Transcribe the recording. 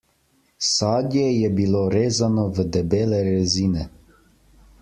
Sadje je bilo rezano v debele rezine.